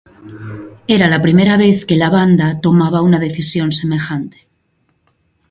Era la primera vez que la banda tomaba una decisión semejante.